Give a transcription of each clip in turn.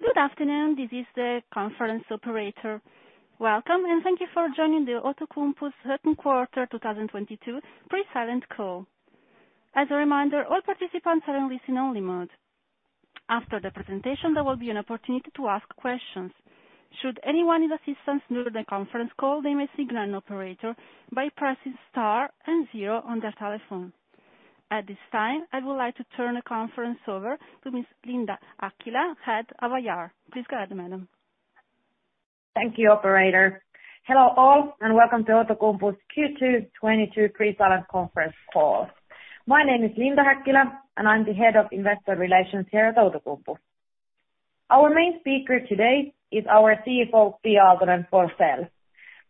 Good afternoon. This is the conference operator. Welcome, and thank you for joining Outokumpu's second quarter 2022 pre-silent call. As a reminder, all participants are in listen-only mode. After the presentation, there will be an opportunity to ask questions. Should anyone need assistance during the conference call, they may signal an operator by pressing star and zero on their telephone. At this time, I would like to turn the conference over to Miss Linda Häkkilä, Head of IR. Please go ahead, madam. Thank you, operator. Hello, all, and welcome to Outokumpu's Q2 2022 pre-silent conference call. My name is Linda Häkkilä, and I'm the head of investor relations here at Outokumpu. Our main speaker today is our CFO, Pia Aaltonen-Forsell.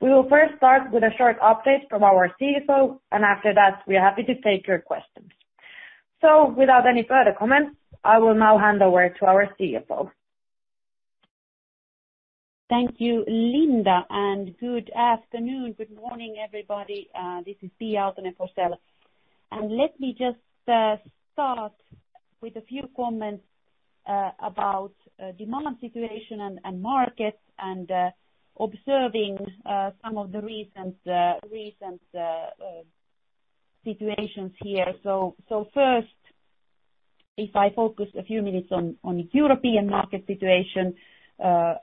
We will first start with a short update from our CFO, and after that, we are happy to take your questions. Without any further comment, I will now hand over to our CFO. Thank you, Linda, and good afternoon, good morning, everybody. This is Pia Aaltonen-Forsell. Let me just start with a few comments about demand situation and markets and observing some of the recent situations here. First, if I focus a few minutes on European market situation,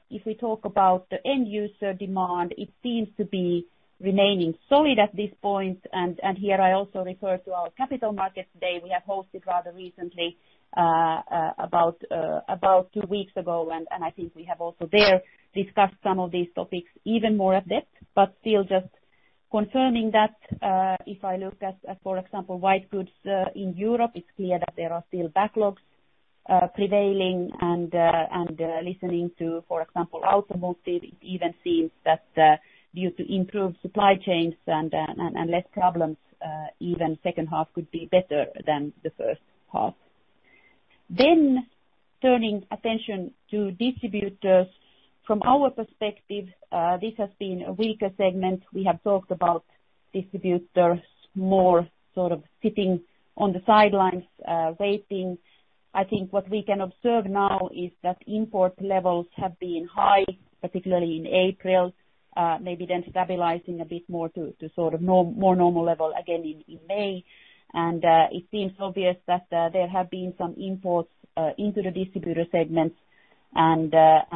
if we talk about the end user demand, it seems to be remaining solid at this point. Here I also refer to our capital market day we have hosted rather recently about two weeks ago. I think we have also there discussed some of these topics even more in depth, but still just confirming that if I look at, for example, white goods in Europe, it's clear that there are still backlogs prevailing and listening to, for example, automotive, it even seems that due to improved supply chains and less problems, even second half could be better than the first half. Turning attention to distributors. From our perspective, this has been a weaker segment. We have talked about distributors more sort of sitting on the sidelines, waiting. I think what we can observe now is that import levels have been high, particularly in April, maybe then stabilizing a bit more to more normal level again in May. It seems obvious that there have been some imports into the distributor segments.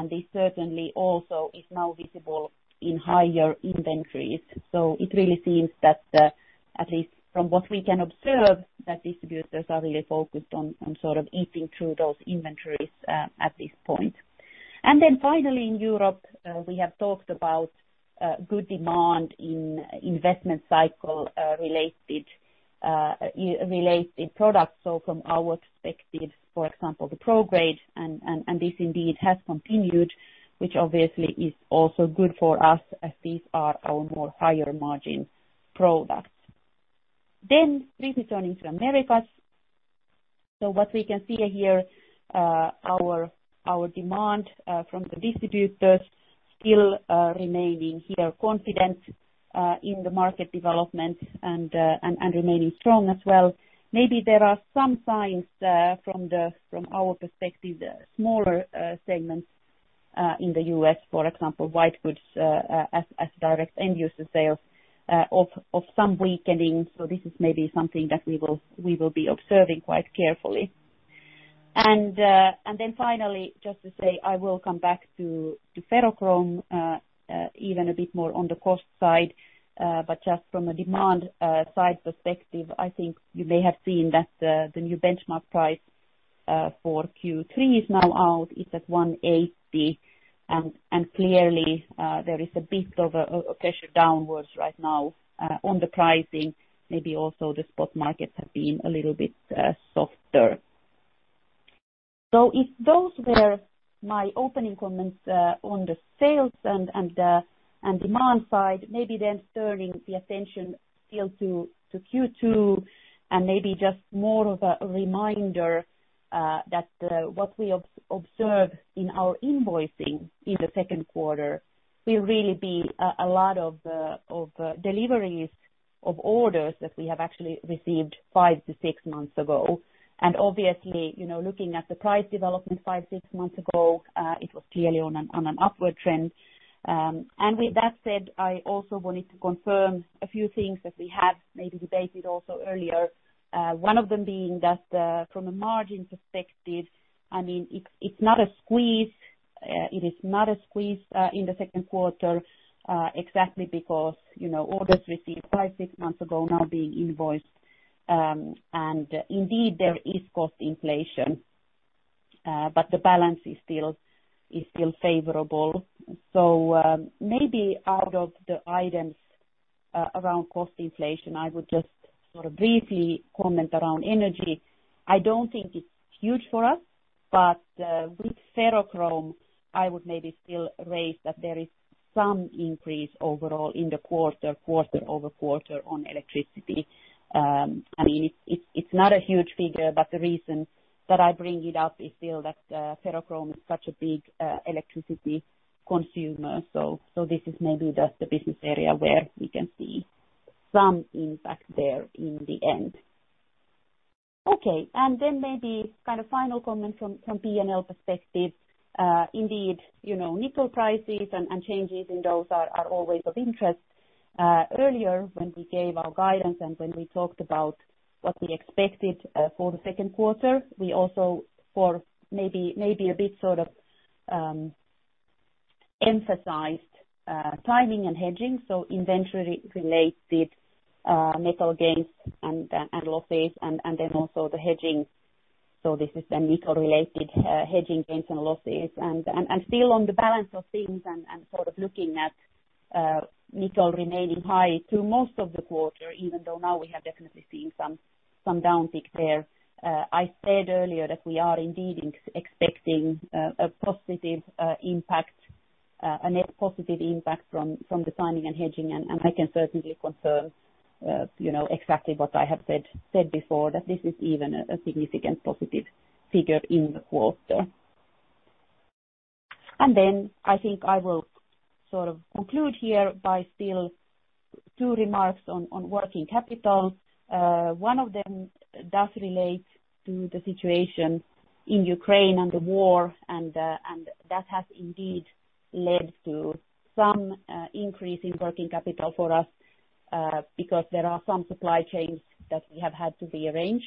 This certainly also is now visible in higher inventories. It really seems that at least from what we can observe, that distributors are really focused on sort of eating through those inventories at this point. Finally, in Europe, we have talked about good demand in investment cycle related products. From our perspective, for example, the Pro Grade, and this indeed has continued, which obviously is also good for us as these are our more higher margin products. Briefly turning to Americas. What we can see here, our demand from the distributors still remaining confident in the market development and remaining strong as well. Maybe there are some signs from our perspective smaller segments in the U.S., for example, white goods, as direct end user sales of some weakening. This is maybe something that we will be observing quite carefully. Then finally, just to say I will come back to ferrochrome even a bit more on the cost side. Just from a demand side perspective, I think you may have seen that the new benchmark price for Q3 is now out. It's at 180. Clearly there is a bit of pressure downwards right now on the pricing. Maybe also the spot markets have been a little bit softer. If those were my opening comments on the sales and demand side, maybe then turning the attention still to Q2 and maybe just more of a reminder that what we observe in our invoicing in the second quarter will really be a lot of deliveries of orders that we have actually received five-six months ago. Obviously, you know, looking at the price development five-six months ago, it was clearly on an upward trend. With that said, I also wanted to confirm a few things that we have maybe debated also earlier. One of them being that from a margin perspective, I mean, it's not a squeeze. It is not a squeeze in the second quarter exactly because, you know, orders received five, six months ago now being invoiced. Indeed, there is cost inflation, but the balance is still favorable. Maybe out of the items around cost inflation, I would just sort of briefly comment around energy. I don't think it's huge for us, but with ferrochrome, I would maybe still raise that there is some increase overall in the quarter-over-quarter on electricity. I mean, it's not a huge figure, but the reason that I bring it up is still that ferrochrome is such a big electricity consumer. This is maybe just the business area where we can see some impact there in the end. Okay. Maybe kind of final comments from P&L perspective. Indeed, you know, nickel prices and changes in those are always of interest. Earlier when we gave our guidance and when we talked about what we expected for the second quarter, we also for maybe a bit sort of emphasized timing and hedging. Inventory-related metal gains and losses and then also the hedging. This is the nickel-related hedging gains and losses. Still on the balance of things and sort of looking at nickel remaining high through most of the quarter, even though now we have definitely seen some down tick there. I said earlier that we are indeed expecting a positive impact, a net positive impact from the timing and hedging. I can certainly confirm, you know, exactly what I have said before, that this is even a significant positive figure in the quarter. Then I think I will sort of conclude here by still two remarks on working capital. One of them does relate to the situation in Ukraine and the war, and that has indeed led to some increase in working capital for us, because there are some supply chains that we have had to rearrange.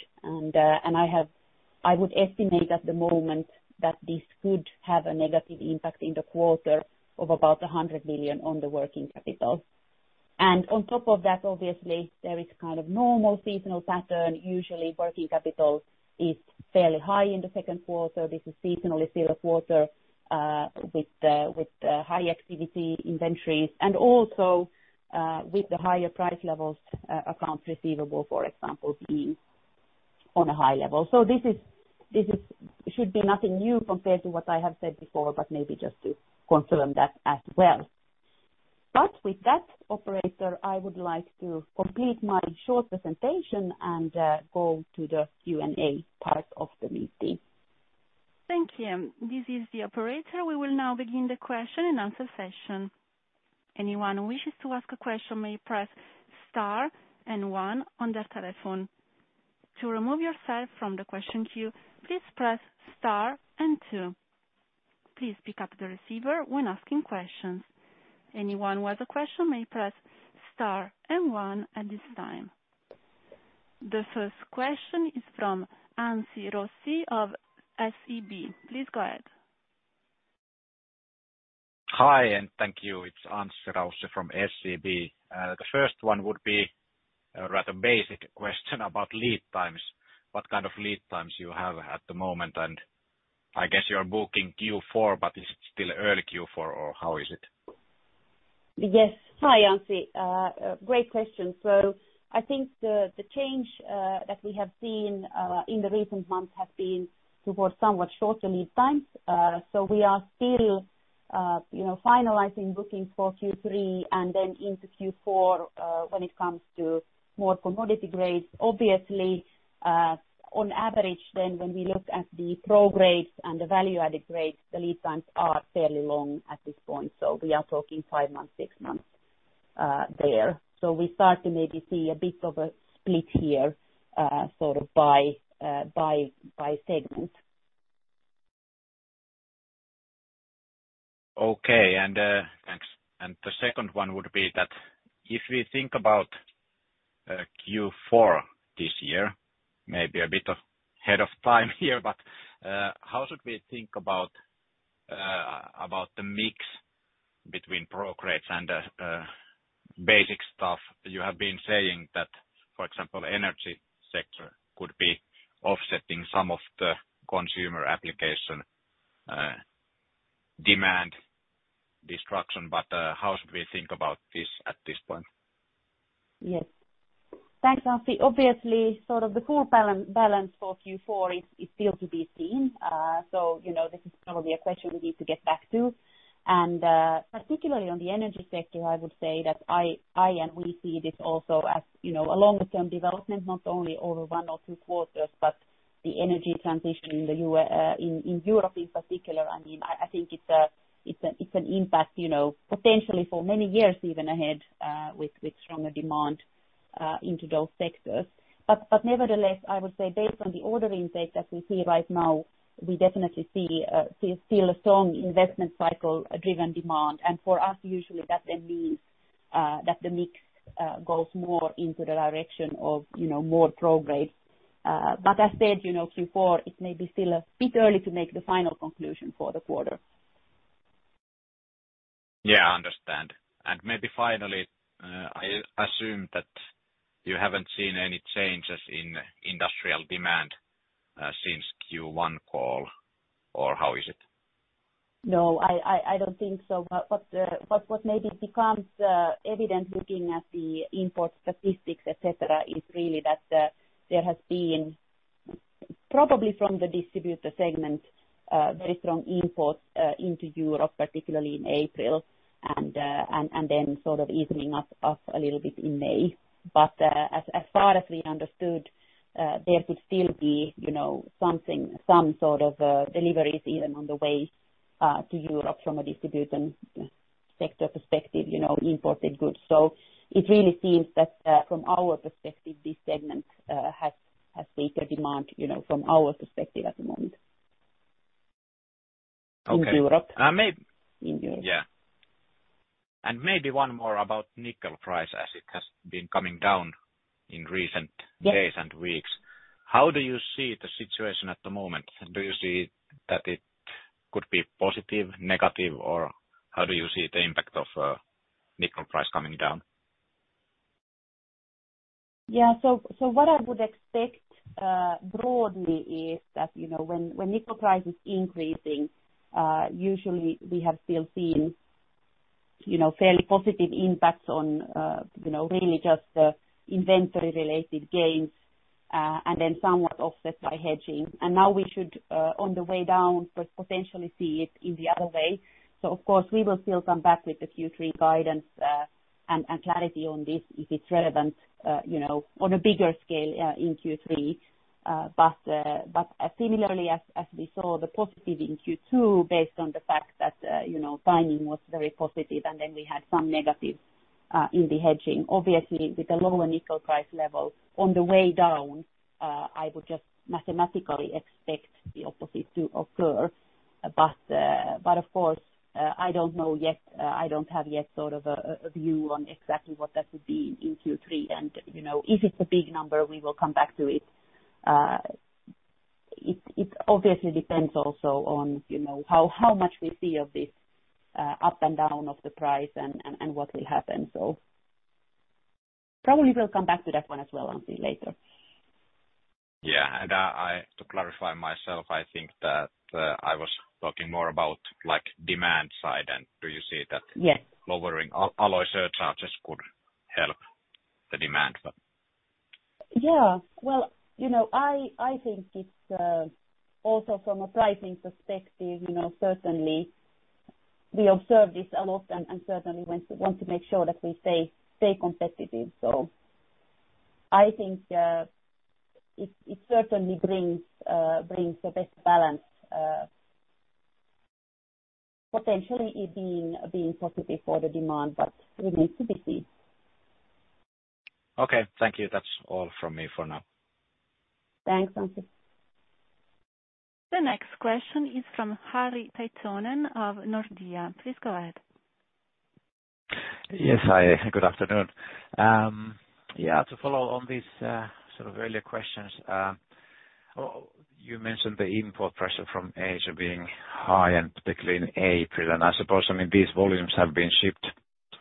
I have, I would estimate at the moment that this could have a negative impact in the quarter of about 100 million on the working capital. On top of that, obviously, there is kind of normal seasonal pattern. Usually, working capital is fairly high in the second quarter. This is seasonally still a quarter with high activity inventories and also with the higher price levels, accounts receivable, for example, being on a high level. Should be nothing new compared to what I have said before, but maybe just to confirm that as well. With that, operator, I would like to complete my short presentation and go to the Q&A part of the meeting. Thank you. This is the operator. We will now begin the question and answer session. Anyone who wishes to ask a question may press star and one on their telephone. To remove yourself from the question queue, please press star and two. Please pick up the receiver when asking questions. Anyone with a question may press star and one at this time. The first question is from Anssi Raussi of SEB. Please go ahead. Hi, and thank you. It's Anssi Raussi from SEB. The first one would be a rather basic question about lead times. What kind of lead times you have at the moment? I guess you're booking Q4, but is it still early Q4 or how is it? Yes. Hi, Anssi. Great question. I think the change that we have seen in the recent months have been towards somewhat shorter lead times. We are still, you know, finalizing bookings for Q3 and then into Q4 when it comes to more commodity grades. Obviously, on average then when we look at the Pro Grades and the value-added grades, the lead times are fairly long at this point. We are talking five months, six months there. We start to maybe see a bit of a split here, sort of by segment. Okay. Thanks. The second one would be that if we think about Q4 this year, maybe a bit ahead of time here, but how should we think about the mix between Pro Grades and basic stuff? You have been saying that, for example, energy sector could be offsetting some of the consumer application demand destruction. How should we think about this at this point? Yes. Thanks, Anssi. Obviously, sort of the core balance for Q4 is still to be seen. So, you know, this is probably a question we need to get back to. Particularly on the energy sector, I would say that I and we see this also as, you know, a longer term development, not only over one or two quarters, but the energy transition in Europe in particular, I mean, I think it's an impact, you know, potentially for many years even ahead, with stronger demand into those sectors. Nevertheless, I would say based on the order intake that we see right now, we definitely see still a strong investment cycle-driven demand. For us, usually that then means that the mix goes more into the direction of, you know, more Pro Grades. But as said, you know, Q4, it may be still a bit early to make the final conclusion for the quarter. Yeah, I understand. Maybe finally, I assume that you haven't seen any changes in industrial demand since Q1 call, or how is it? No, I don't think so. What maybe becomes evident looking at the import statistics, et cetera, is really that there has been probably from the distributor segment very strong imports into Europe, particularly in April, and then sort of evening out a little bit in May. As far as we understood, there could still be you know something some sort of deliveries even on the way to Europe from a distributor segment. Sector perspective, you know, imported goods. It really seems that from our perspective, this segment has weaker demand, you know, from our perspective at the moment. Okay. In Europe. Uh, may- In Europe. Yeah. Maybe one more about nickel price as it has been coming down in recent- Yes. days and weeks. How do you see the situation at the moment? Do you see that it could be positive, negative, or how do you see the impact of, nickel price coming down? Yeah. What I would expect, broadly, is that, you know, when nickel price is increasing, usually we have still seen, you know, fairly positive impacts on, you know, really just, inventory-related gains, and then somewhat offset by hedging. Now we should, on the way down, potentially see it in the other way. Of course, we will still come back with the Q3 guidance, and clarity on this if it's relevant, you know, on a bigger scale, in Q3. Similarly as we saw the positive in Q2 based on the fact that, you know, timing was very positive, and then we had some negative, in the hedging. Obviously, with a lower nickel price level on the way down, I would just mathematically expect the opposite to occur. Of course, I don't know yet, I don't have yet sort of a view on exactly what that would be in Q3. You know, if it's a big number, we will come back to it. It obviously depends also on, you know, how much we see of this up and down of the price and what will happen. Probably we'll come back to that one as well and see later. Yeah. To clarify myself, I think that I was talking more about, like, demand side. Do you see that? Yes. Lowering alloy surcharges could help the demand for? Yeah. Well, you know, I think it's also from a pricing perspective, you know, certainly we observe this a lot and certainly want to make sure that we stay competitive. I think it certainly brings the best balance, potentially it being positive for the demand, but remains to be seen. Okay. Thank you. That's all from me for now. Thanks, Anssi. The next question is from Harri Taittonen of Nordea. Please go ahead. Yes. Hi, good afternoon. Yeah, to follow on this, sort of earlier questions. You mentioned the import pressure from Asia being high, and particularly in April. I suppose, I mean, these volumes have been shipped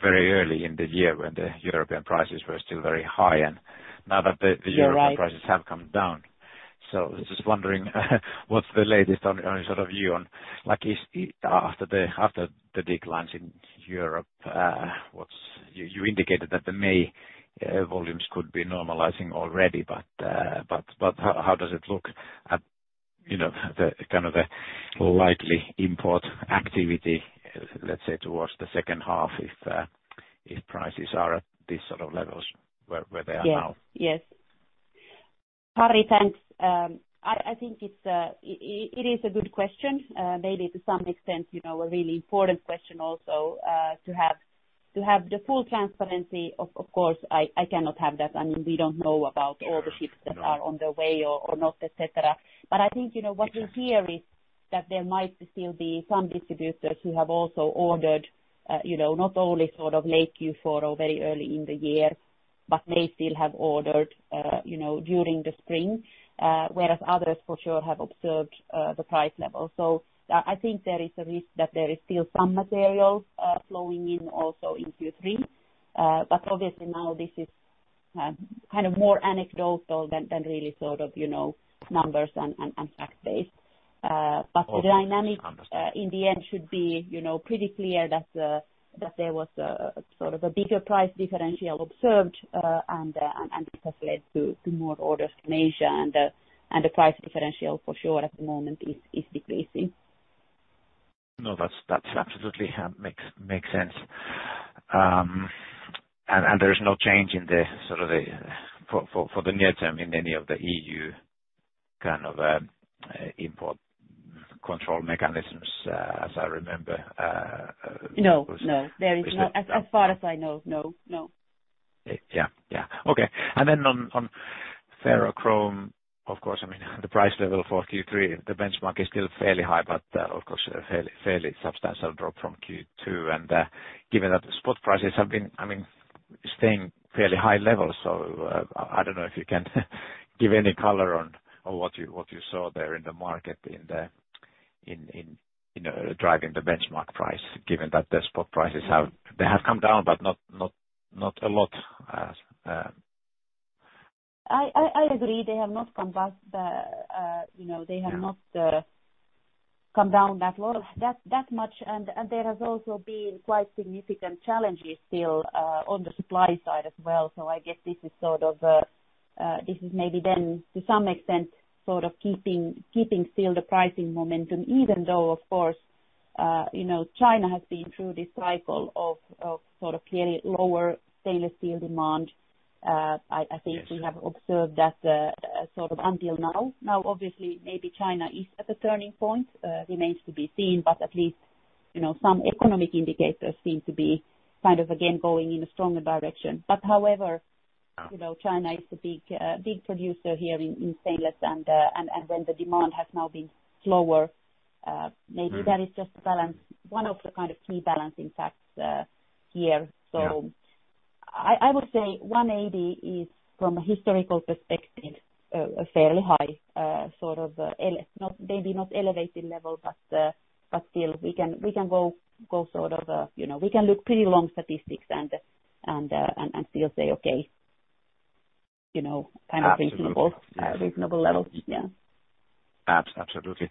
very early in the year when the European prices were still very high. Now that the- You're right. European prices have come down. Just wondering what's the latest on your sort of view on like after the declines in Europe. You indicated that the May volumes could be normalizing already. How does it look like, you know, the kind of a likely import activity, let's say, towards the second half if prices are at this sort of levels where they are now? Yes. Yes. Harri, thanks. I think it is a good question. Maybe to some extent, you know, a really important question also to have the full transparency. Of course, I cannot have that. I mean, we don't know about all the ships that are on the way or not, et cetera. I think, you know, what we hear is that there might still be some distributors who have also ordered, you know, not only sort of late Q4 or very early in the year, but may still have ordered, you know, during the spring, whereas others for sure have observed the price level. I think there is a risk that there is still some material flowing in also in Q3. Obviously, now this is kind of more anecdotal than really sort of, you know, numbers and fact-based. The dynamic in the end should be, you know, pretty clear that there was a sort of a bigger price differential observed, and this has led to more orders from Asia. The price differential for sure at the moment is decreasing. No, that's absolutely makes sense. There's no change. For the near term in any of the EU kind of import control mechanisms, as I remember. No. There is no, as far as I know. No. Yeah, yeah. Okay. Then on ferrochrome, of course, I mean, the price level for Q3, the benchmark is still fairly high, but of course a fairly substantial drop from Q2. Given that the spot prices have been, I mean, staying fairly high levels, so I don't know if you can give any color on what you saw there in the market, you know, driving the benchmark price, given that the spot prices have come down but not a lot. I agree. They have not come back, you know, they have not come down that low, that much. There has also been quite significant challenges still on the supply side as well. I guess this is sort of maybe then to some extent sort of keeping still the pricing momentum. Even though of course, you know, China has been through this cycle of sort of clearly lower stainless steel demand. I think we have observed that sort of until now. Now obviously, maybe China is at the turning point, remains to be seen, but at least, you know, some economic indicators seem to be kind of again going in a stronger direction. However, you know, China is a big producer here in stainless and when the demand has now been slower. Mm-hmm. One of the kind of key balancing facts here. Yeah. I would say 180 is from a historical perspective a fairly high sort of not maybe not elevated level, but still we can go sort of you know we can look pretty long statistics and still say okay you know kind of reasonable. Absolutely. Reasonable levels. Yeah. Absolutely.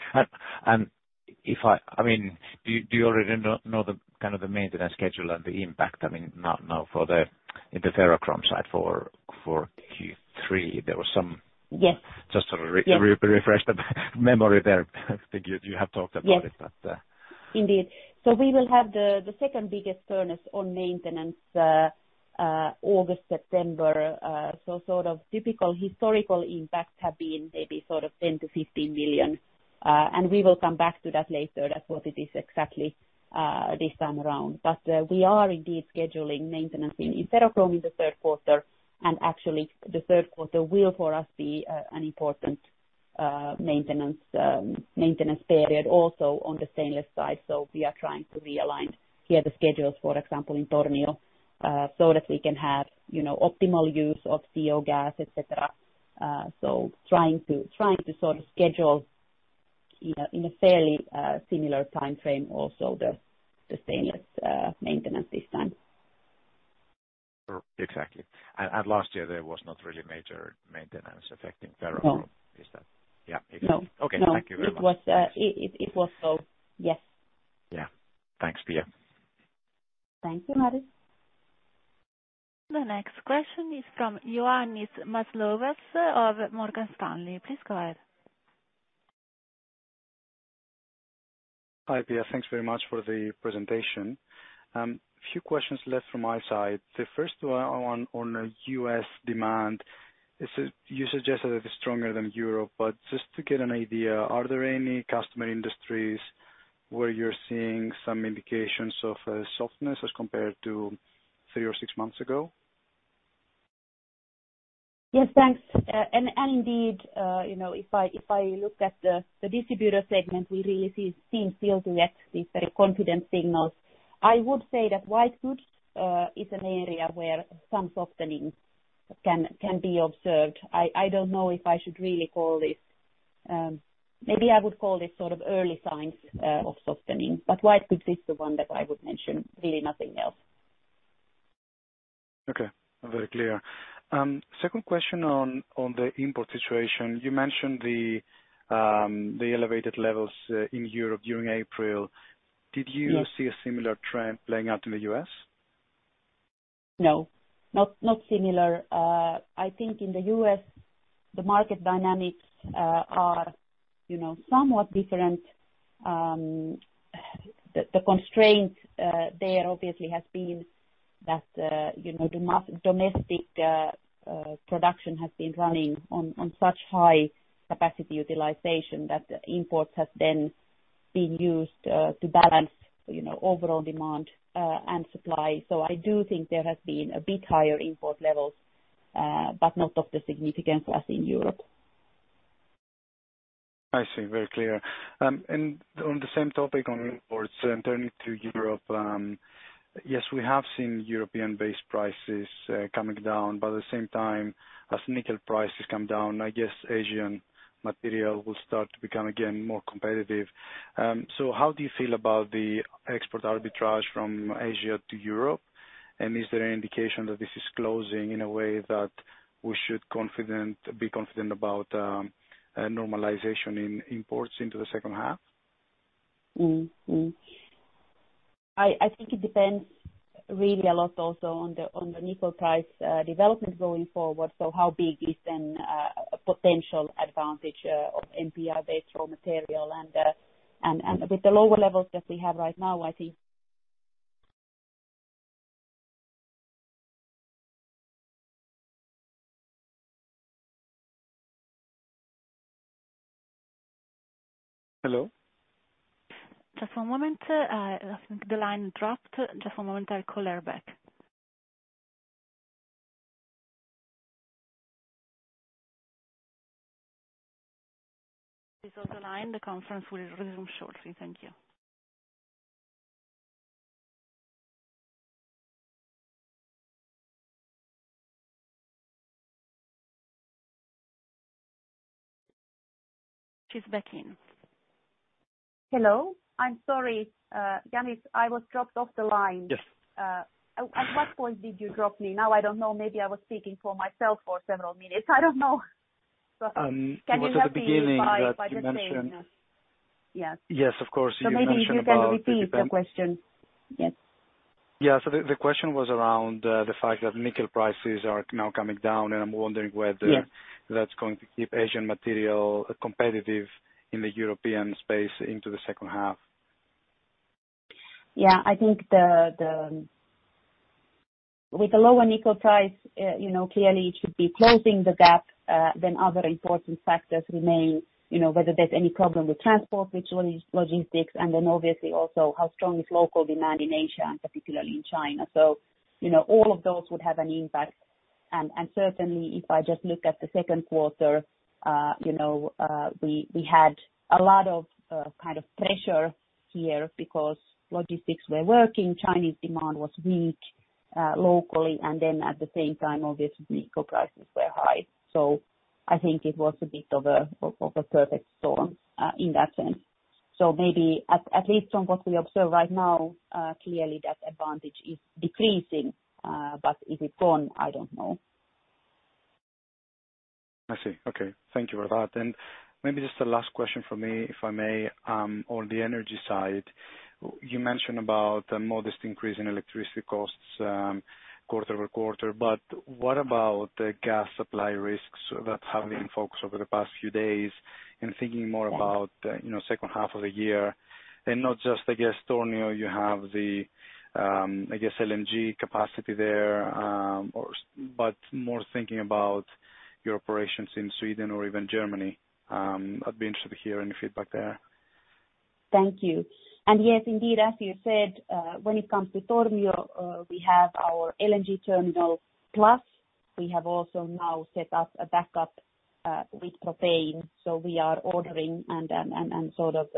I mean, do you already know the kind of the maintenance schedule and the impact? I mean, not now, in the ferrochrome side for Q3, there was some- Yes. Just sort of re- Yes. Refresh the memory there. I think you have talked about it, but. Yes. Indeed. We will have the second biggest furnace on maintenance August, September. Sort of typical historical impact have been maybe sort of 10 million-15 million. We will come back to that later as what it is exactly this time around. We are indeed scheduling maintenance in ferrochrome in the third quarter, and actually the third quarter will, for us, be an important maintenance period also on the stainless side. We are trying to realign here the schedules, for example, in Tornio, so that we can have, you know, optimal use of CO gas, et cetera. Trying to sort of schedule in a fairly similar timeframe also the stainless maintenance this time. Exactly. Last year there was not really major maintenance affecting ferrochrome. No. Yeah, exactly. No, no. Okay. Thank you very much. It was so. Yes. Yeah. Thanks, Pia. Thank you, Harri. The next question is from Ioannis Masvoulas of Morgan Stanley. Please go ahead. Hi, Pia. Thanks very much for the presentation. Few questions left from my side. The first one on U.S. demand. Is it you suggested it is stronger than Europe, but just to get an idea, are there any customer industries where you're seeing some indications of softness as compared to three or six months ago? Yes, thanks. Indeed, you know, if I look at the distributor segment, we really seem still to get these very confident signals. I would say that white goods is an area where some softening can be observed. I don't know if I should really call this. Maybe I would call this sort of early signs of softening, but white goods is the one that I would mention, really nothing else. Okay. Very clear. Second question on the import situation. You mentioned the elevated levels in Europe during April. Yes. Did you see a similar trend playing out in the U.S.? No. Not similar. I think in the US, the market dynamics are, you know, somewhat different. The constraint there obviously has been that, you know, domestic production has been running on such high capacity utilization that imports have then been used to balance, you know, overall demand and supply. I do think there has been a bit higher import levels, but not of the significance as in Europe. I see. Very clear. On the same topic on imports and turning to Europe, yes, we have seen European-based prices coming down, but at the same time, as nickel prices come down, I guess Asian material will start to become again more competitive. How do you feel about the export arbitrage from Asia to Europe? Is there any indication that this is closing in a way that we should be confident about normalization in imports into the second half? I think it depends really a lot also on the nickel price development going forward. How big is then a potential advantage of NPI-based raw material? With the lower levels that we have right now, I think- Hello? Just one moment. I think the line dropped. Just one moment. I'll call her back. Results online, the conference will resume shortly. Thank you. She's back in. Hello. I'm sorry, Ioannis, I was dropped off the line. Yes. At what point did you drop me? Now, I don't know, maybe I was speaking for myself for several minutes. I don't know. Sorry. Can you help me by repeating? It was at the beginning that you mentioned. Yes. Yes, of course. You mentioned about. Maybe if you can repeat the question. Yes. Yeah. The question was around the fact that nickel prices are now coming down, and I'm wondering whether- Yes. That's going to keep Asian material competitive in the European space into the second half. Yeah, I think with the lower nickel price, you know, clearly it should be closing the gap. Then other important factors remain, you know, whether there's any problem with transport, which is logistics, and then obviously also how strong is local demand in Asia, and particularly in China. All of those would have an impact. Certainly if I just look at the second quarter, you know, we had a lot of kind of pressure here because logistics weren't working, Chinese demand was weak locally, and then at the same time, obviously nickel prices were high. I think it was a bit of a perfect storm in that sense. Maybe at least from what we observe right now, clearly that advantage is decreasing. But is it gone? I don't know. I see. Okay. Thank you for that. Maybe just a last question from me, if I may. On the energy side, you mentioned about a modest increase in electricity costs, quarter-over-quarter, but what about the gas supply risks that have been in focus over the past few days, and thinking more about, you know, second half of the year and not just, I guess, Tornio, you have the, I guess, LNG capacity there, but more thinking about your operations in Sweden or even Germany. I'd be interested to hear any feedback there. Thank you. Yes, indeed, as you said, when it comes to Tornio, we have our LNG terminal. Plus, we have also now set up a backup with propane. We are ordering and sort of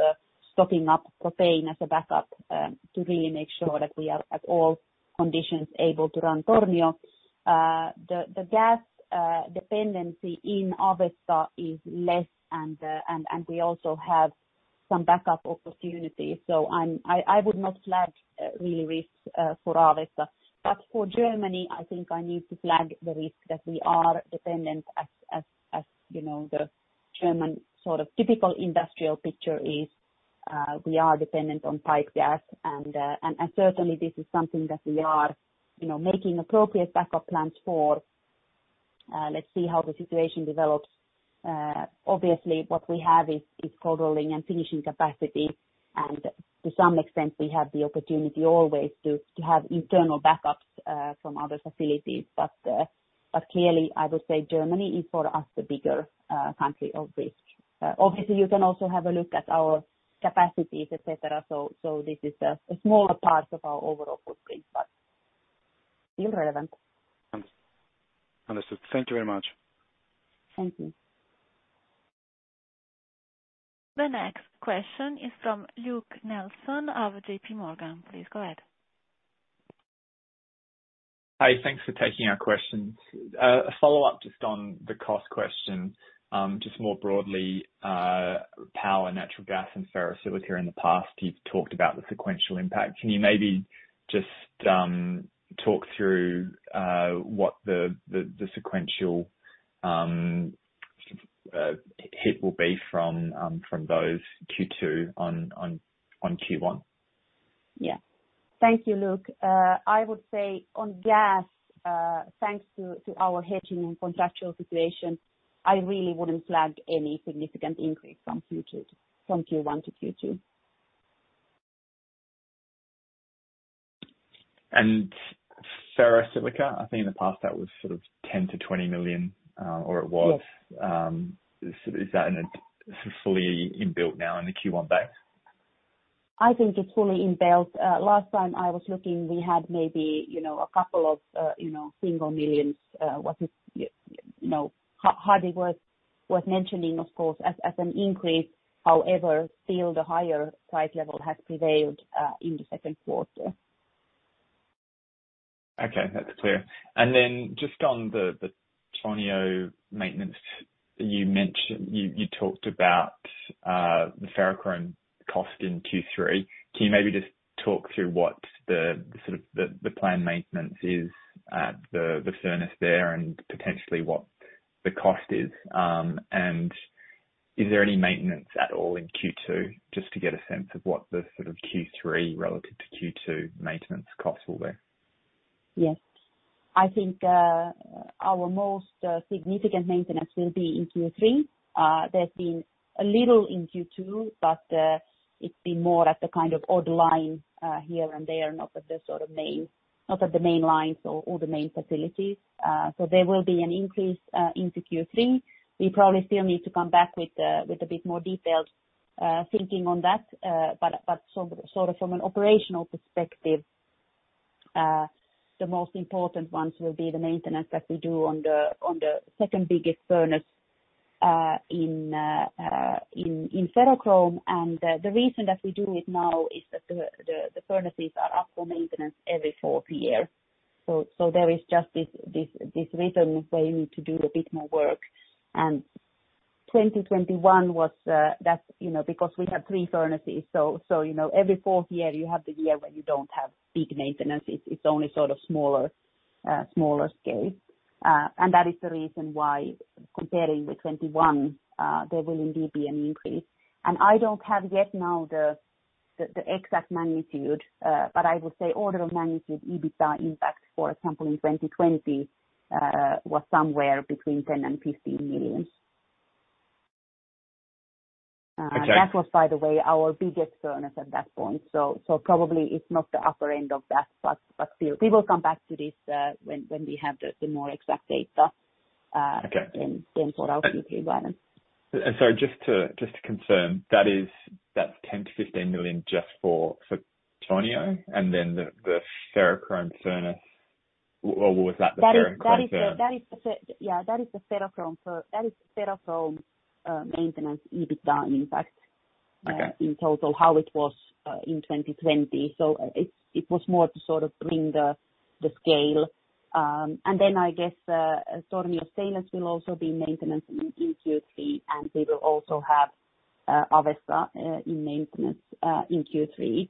stocking up propane as a backup, to really make sure that we are at all conditions able to run Tornio. The gas dependency in Avesta is less and we also have some backup opportunities. I would not flag real risks for Avesta. For Germany, I think I need to flag the risk that we are dependent, you know, the German sort of typical industrial picture is we are dependent on pipe gas and certainly this is something that we are, you know, making appropriate backup plans for. Let's see how the situation develops. Obviously what we have is cold rolling and finishing capacity and to some extent we have the opportunity always to have internal backups from other facilities. Clearly I would say Germany is for us the bigger country of risk. Obviously you can also have a look at our capacities, et cetera. This is a smaller part of our overall footprint, but still relevant. Understood. Thank you very much. Thank you. The next question is from Luke Nelson of JPMorgan. Please go ahead. Hi. Thanks for taking our questions. A follow-up just on the cost question, just more broadly, power, natural gas and ferrosilicon in the past, you've talked about the sequential impact. Can you maybe just talk through what the sequential hit will be from those Q2 on Q1? Yeah. Thank you, Luke. I would say on gas, thanks to our hedging and contractual situation, I really wouldn't flag any significant increase from Q1 to Q2. Ferrosilicon, I think in the past that was sort of 10 million-20 million, or it was. Yes. Is that in a fully inbuilt now in the Q1 base? I think it's fully inbuilt. Last time I was looking, we had maybe, you know, a couple of, you know, single millions EUR, you know, hardly worth mentioning of course, as an increase. However, still the higher price level has prevailed in the second quarter. Okay, that's clear. Just on the Tornio maintenance, you talked about the ferrochrome cost in Q3. Can you maybe just talk through what sort of planned maintenance is at the furnace there and potentially what the cost is? Is there any maintenance at all in Q2, just to get a sense of what sort of Q3 relative to Q2 maintenance costs will be? Yes. I think our most significant maintenance will be in Q3. There's been a little in Q2, but it's been more at the kind of odd line here and there, not at the main lines or the main facilities. There will be an increase into Q3. We probably still need to come back with a bit more detailed thinking on that. Sort of from an operational perspective, the most important ones will be the maintenance that we do on the second biggest furnace in ferrochrome. The reason that we do it now is that the furnaces are up for maintenance every fourth year. There is just this rhythm where you need to do a bit more work. 2021 was, that's, you know, because we have three furnaces, you know, every fourth year you have the year where you don't have big maintenance. It's only sort of smaller scale. That is the reason why comparing with 2021, there will indeed be an increase. I don't have yet now the exact magnitude, but I would say order of magnitude, EBITDA impact, for example, in 2020, was somewhere between 10 million and 15 million. That was, by the way, our biggest furnace at that point. Probably it's not the upper end of that, but still, we will come back to this, when we have the more exact data. Okay. In total Q3. Go ahead. Sorry, just to confirm, that's 10-15 million just for Tornio? Then the ferrochrome furnace. Or was that the ferrochrome furnace? That is the ferrochrome maintenance EBITDA impact. Okay. In total, how it was in 2020. It was more to sort of bring the scale. I guess Tornio's maintenance will also be in Q3, and we will also have Avesta in maintenance in Q3.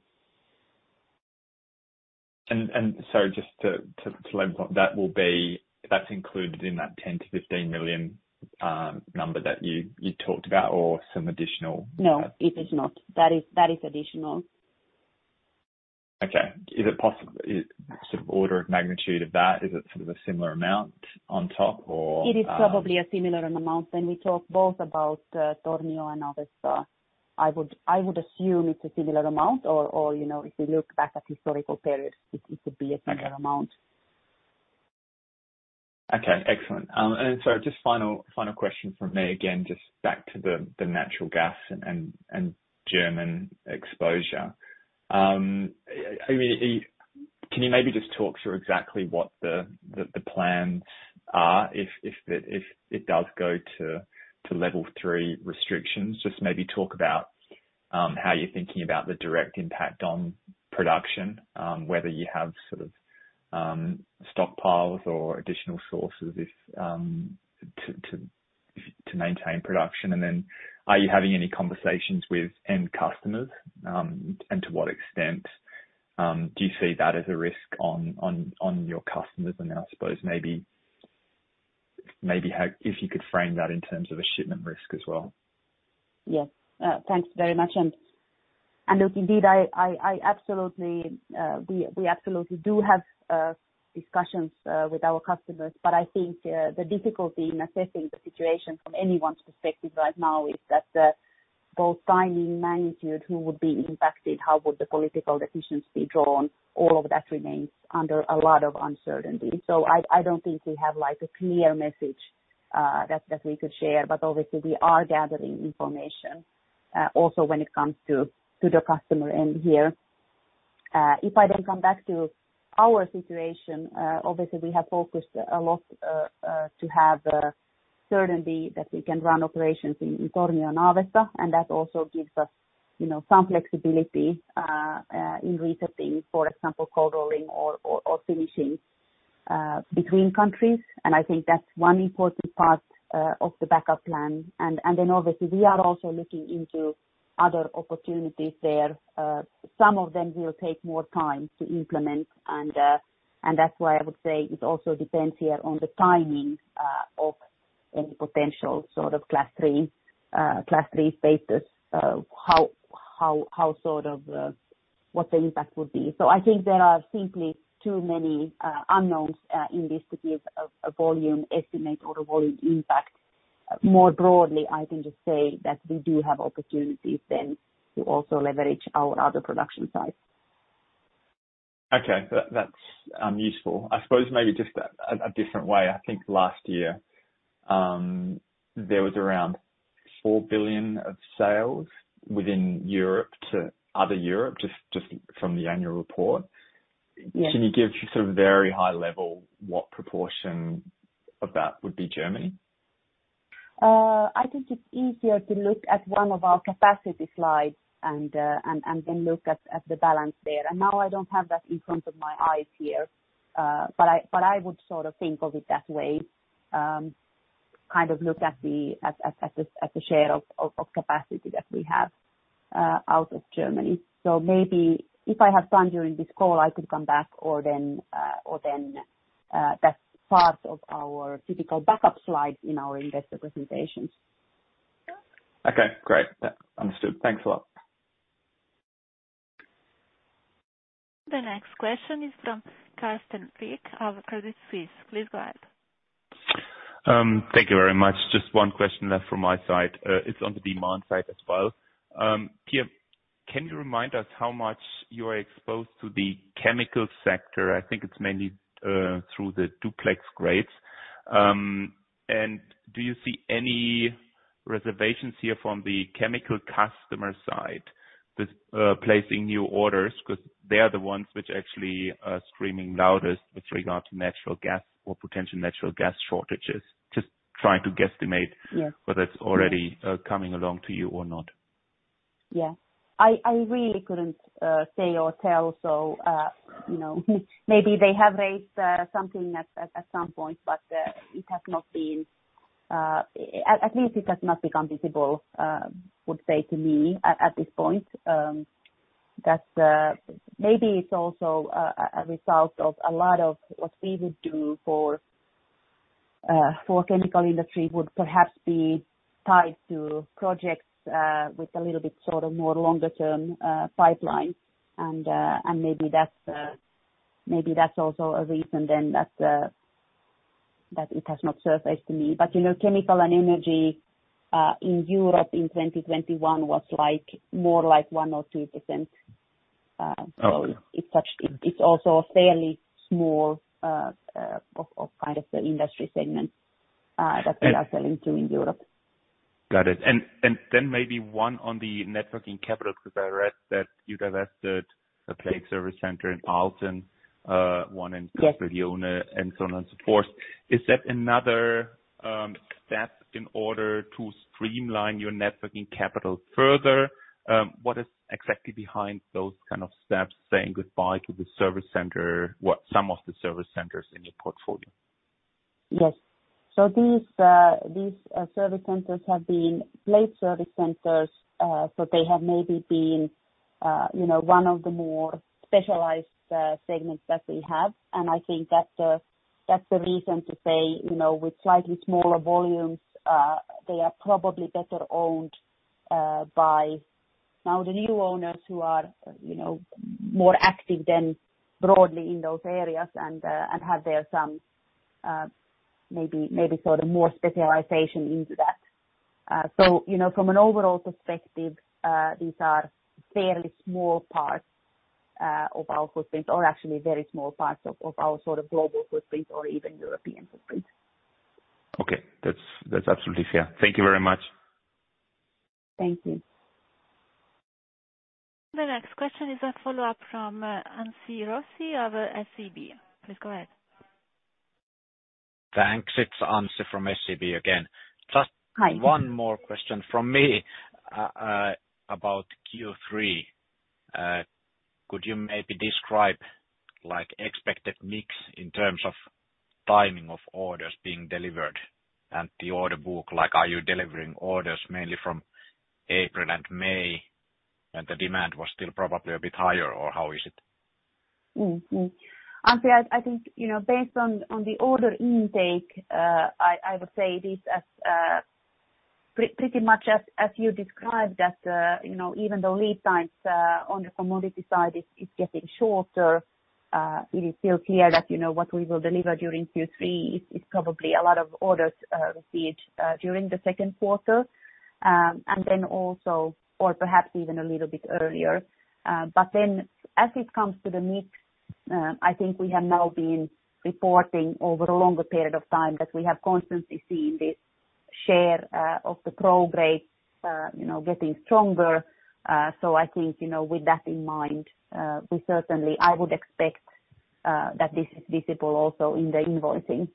just to level up, that will be. That's included in that 10-15 million number that you talked about or some additional- No, it is not. That is additional. Okay. Is it sort of order of magnitude of that, is it sort of a similar amount on top or? It is probably a similar amount than we talk both about, Tornio and Avesta. I would assume it's a similar amount or, you know, if you look back at historical periods, it could be a similar amount. Okay. Excellent. Just final question from me, again, just back to the natural gas and German exposure. Can you maybe just talk through exactly what the plans are if it does go to level three restrictions? Just maybe talk about how you are thinking about the direct impact on production, whether you have sort of stockpiles or additional sources to maintain production. Are you having any conversations with end customers? To what extent do you see that as a risk on your customers? I suppose maybe if you could frame that in terms of a shipment risk as well. Yes. Thanks very much. Look, indeed, we absolutely do have discussions with our customers. I think the difficulty in assessing the situation from anyone's perspective right now is that both timing, magnitude, who would be impacted, how the political decisions be drawn, all of that remains under a lot of uncertainty. I don't think we have like a clear message that we could share. Obviously we are gathering information also when it comes to the customer end here. If I then come back to our situation, obviously we have focused a lot to have certainty that we can run operations in Tornio and Avesta, and that also gives us, you know, some flexibility in resetting, for example, cold rolling or finishing between countries. I think that's one important part of the backup plan. Obviously we are also looking into other opportunities there. Some of them will take more time to implement and that's why I would say it also depends here on the timing of any potential sort of class three status, how sort of what the impact would be. I think there are simply too many unknowns in this to give a volume estimate or a volume impact. More broadly, I can just say that we do have opportunities then to also leverage our other production sites. Okay. That's useful. I suppose maybe just a different way. I think last year, there was around 4 billion of sales within Europe to other Europe, just from the annual report. Yes. Can you give sort of very high level what proportion of that would be Germany? I think it's easier to look at one of our capacity slides and then look at the balance there. Now I don't have that in front of my eyes here. But I would sort of think of it that way. Kind of look at the share of capacity that we have out of Germany. Maybe if I have time during this call, I could come back, or then that's part of our typical backup slide in our investor presentations. Okay, great. Yeah. Understood. Thanks a lot. The next question is from Carsten Riek of Credit Suisse. Please go ahead. Thank you very much. Just one question left from my side. It's on the demand side as well. Pia, can you remind us how much you are exposed to the chemical sector? I think it's mainly through the duplex grades. Do you see any reservations here from the chemical customer side with placing new orders? 'Cause they are the ones which actually are screaming loudest with regard to natural gas or potential natural gas shortages. Just trying to guesstimate. Yeah. whether it's already coming along to you or not. Yeah. I really couldn't say or tell. You know, maybe they have raised something at some point, but it has not been. At least it has not become visible, would say to me at this point. That maybe it's also a result of a lot of what we would do for chemical industry would perhaps be tied to projects with a little bit sort of more longer-term pipeline and maybe that's also a reason then that it has not surfaced to me. You know, chemical and energy in Europe in 2021 was like, more like 1% or 2%. Okay. It's also a fairly small of kind of the industry segment that we are selling to in Europe. Got it. Then maybe one on the net working capital, because I read that you divested a plate service center in Altona, one in- Yes. Castiglione delle Stiviere and so on and so forth. Is that another step in order to streamline your working capital further? What is exactly behind those kind of steps, saying goodbye to the service center, what some of the service centers in your portfolio? Yes. These service centers have been plate service centers. They have maybe been, you know, one of the more specialized segments that we have. I think that's the reason to say, you know, with slightly smaller volumes, they are probably better owned by now the new owners who are, you know, more active than broadly in those areas and have some, maybe sort of more specialization into that. You know, from an overall perspective, these are fairly small parts of our footprint, or actually very small parts of our sort of global footprint or even European footprint. Okay. That's absolutely fair. Thank you very much. Thank you. The next question is a follow-up from Anssi Raussi of SEB. Please go ahead. Thanks. It's Anssi from SEB again. Hi. Just one more question from me about Q3. Could you maybe describe like expected mix in terms of timing of orders being delivered and the order book? Like, are you delivering orders mainly from April and May, and the demand was still probably a bit higher, or how is it? Anssi, I think you know based on the order intake I would say this as pretty much as you described that you know even the lead times on the commodity side is getting shorter. It is still clear that you know what we will deliver during Q3 is probably a lot of orders received during the second quarter. And then also or perhaps even a little bit earlier. But then as it comes to the mix I think we have now been reporting over a longer period of time that we have constantly seen this share of the pro grade you know getting stronger. So I think you know with that in mind we certainly I would expect that this is visible also in the invoicing.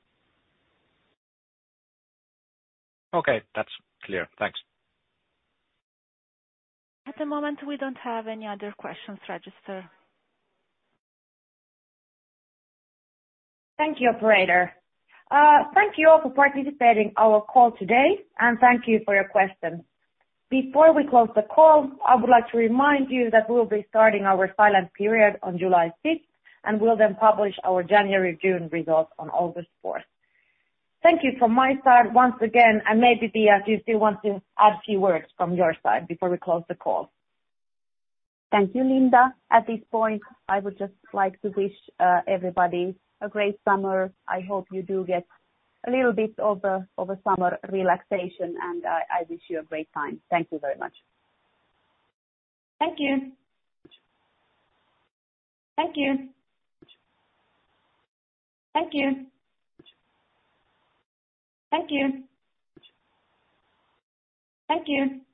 Okay. That's clear. Thanks. At the moment, we don't have any other questions registered. Thank you, operator. Thank you all for participating in our call today, and thank you for your questions. Before we close the call, I would like to remind you that we'll be starting our silent period on July sixth, and we'll then publish our January/June results on August fourth. Thank you from my side once again, and maybe, Pia, do you still want to add a few words from your side before we close the call? Thank you, Linda. At this point, I would just like to wish everybody a great summer. I hope you do get a little bit of a summer relaxation, and I wish you a great time. Thank you very much. Thank you.